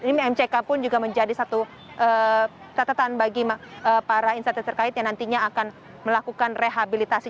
ini mck pun juga menjadi satu catatan bagi para insentif terkait yang nantinya akan melakukan rehabilitasi